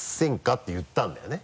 って言ったんだよね。